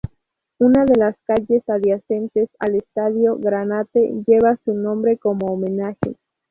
Una de las calles adyacentes al estadio "Granate" lleva su nombre como homenaje.